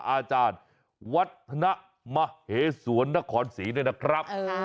อาจารย์วัฒนมเหสวนนครศรีด้วยนะครับ